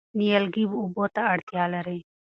نیالګي اوبو ته اړتیا لري.